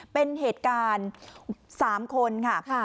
เป็นเหตุการณ์๓คนค่ะ